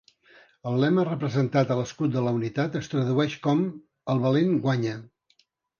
El lema representat a l'escut de la unitat es tradueix com "el valent guanya".